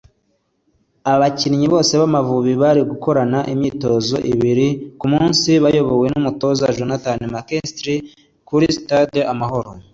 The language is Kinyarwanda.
abakinnyi bose b’Amavubi bari gukorana imyitozo ibiri ku munsi bayobowe n’umutoza Jonathan Mckinstry kuri stade Amahoro